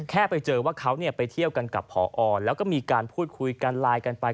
แค่ไปเจอว่าเขาไปเที่ยวกันกับพอแล้วก็มีการพูดคุยกันไลน์กันไป